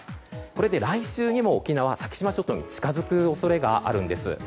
これで、来週にも沖縄、先島諸島に近づく恐れがあるんです。